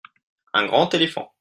un grand éléphant.